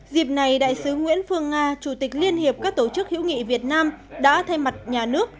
dịp này đại sứ nguyễn phương nga chủ tịch liên hiệp các tổ chức hữu nghị việt nam đã thay mặt nhà nước